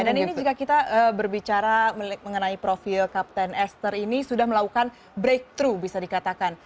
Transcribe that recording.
dan ini jika kita berbicara mengenai profil kapten esther ini sudah melakukan breakthrough bisa dikatakan